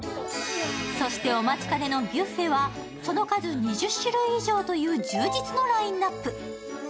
そして、お待ちかねのビュッフェはその数２０種類以上という充実のラインナップ。